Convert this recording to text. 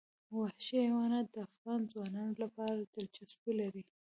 وحشي حیوانات د افغان ځوانانو لپاره دلچسپي لري.